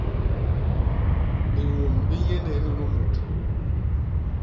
Biun bi nyéndés nunu mut.